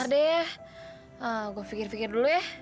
deh gue pikir pikir dulu ya